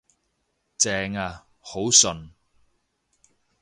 正呀，好順